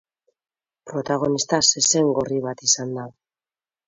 Protagonista zezen gorri bat izan da.